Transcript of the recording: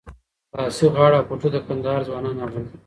لاسي غاړه او پټو د کندهار ځوانان اغوندي.